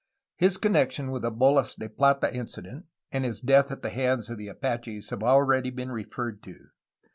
His connection with the holas de plata incident and his death at the hands of the Apaches have already been referred to.